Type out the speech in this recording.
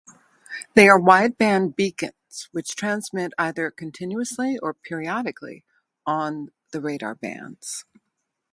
They are wide-band beacons which transmit either continuously or periodically on the radar bands.